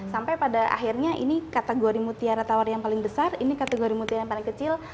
sampai pada akhirnya ini kategori mutiara tawar yang paling besar ini kategori mutiara yang paling kecil